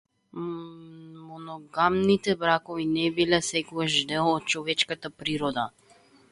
Моногамните бракови не биле секогаш дел од човечката природа.